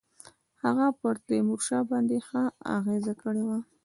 هغه پر تیمورشاه باندي ښه اغېزه کړې وه.